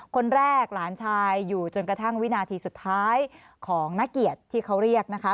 คนแรกหลานชายอยู่จนกระทั่งวินาทีสุดท้ายของนักเกียรติที่เขาเรียกนะคะ